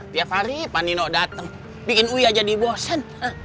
tiap hari panino dateng bikin uya jadi bosen